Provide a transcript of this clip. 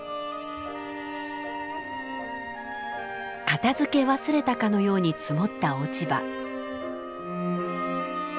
片づけ忘れたかのように積もった落ち葉。